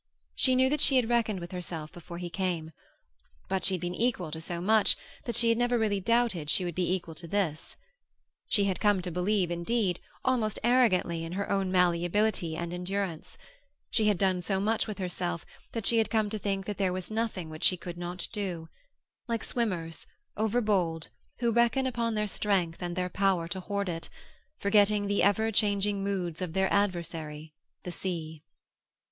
She knew that she had reckoned with herself before he came; but she had been equal to so much that she had never really doubted she would be equal to this. She had come to believe, indeed, almost arrogantly in her own malleability and endurance; she had done so much with herself that she had come to think that there was nothing which she could not do; like swimmers, overbold, who reckon upon their strength and their power to hoard it, forgetting the ever changing moods of their adversary, the sea.